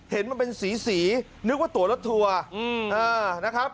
เห็นมันเป็นสีนึกว่าตัวรถทัวร์นะครับ